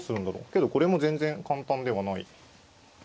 けどこれも全然簡単ではない。